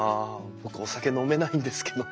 僕お酒飲めないんですけどね。